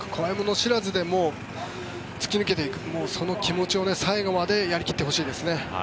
知らずで突き抜けていくその気持ちを最後までやり切ってほしいですね。